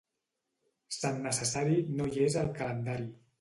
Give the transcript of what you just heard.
Sant Necessari no hi és al calendari.